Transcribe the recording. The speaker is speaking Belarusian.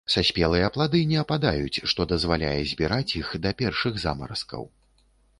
Саспелыя плады не ападаюць, што дазваляе збіраць іх да першых замаразкаў.